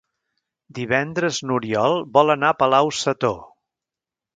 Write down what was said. Divendres n'Oriol vol anar a Palau-sator.